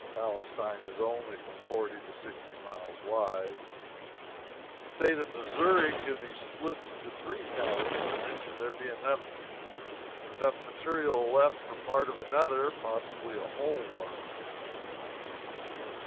Palestine is only from forty to sixty miles wide. The State of Missouri could be split into three Palestines, and there would then be enough material left for part of another possibly a whole one.